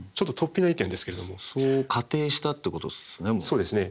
そうですね。